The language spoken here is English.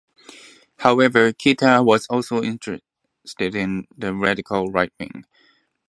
However, Kita was also interested in the radical right wing.